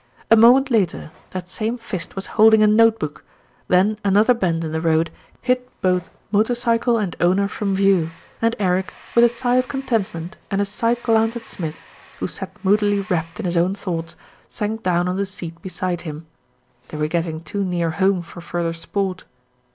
A moment later, that same fist was holding a note book, then another bend in the road hid both motor cycle 162 THE RETURN OF ALFRED and owner from view and Eric, with a sigh of content ment and a side glance at Smith, who sat moodily wrapped in his own thoughts, sank down on the seat beside him. They were getting too near home for further sport.